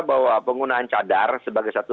bahwa penggunaan cadar sebagai satu